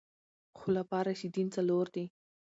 خلفاء راشدين څلور دي